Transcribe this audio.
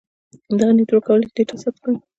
دغه نیټورک کولای شي ډاټا ثبت کړي.